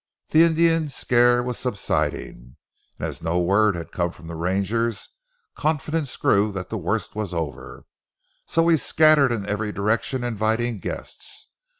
The Indian scare was subsiding, and as no word had come from the rangers confidence grew that the worst was over, so we scattered in every direction inviting guests.